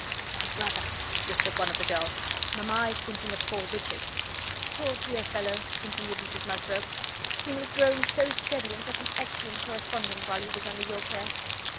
"My brother," whispered one of the girls; "mamma is thinking of poor Richard." "Poor dear fellow!" continued Mrs Musgrove; "he was grown so steady, and such an excellent correspondent, while he was under your care!